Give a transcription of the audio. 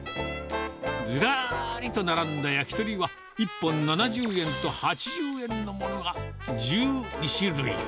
ずらーりと並んだ焼き鳥は、１本７０円と８０円のものが１２種類。